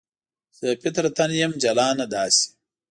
زه فطرتاً یم جلانه داسې